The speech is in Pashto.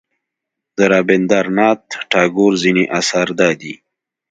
د رابندر ناته ټاګور ځینې اثار دادي.